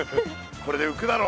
これでうくだろ。